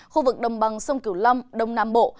khu vực đồng bằng sông cửu long đông nam bộ